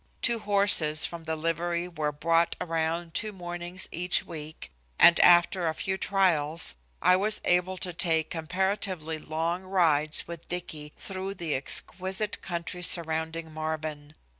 Two horses from the livery were brought around two mornings each week, and, after a few trials, I was able to take comparatively long rides with Dicky through the exquisite country surrounding Marvin.